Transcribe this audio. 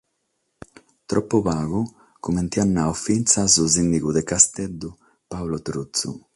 Tropu pagu, comente at naradu finas su sìndigu de Casteddu Paolo Truzzu.